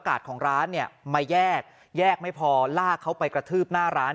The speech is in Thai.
ของร้านเนี่ยมาแยกแยกไม่พอลากเขาไปกระทืบหน้าร้าน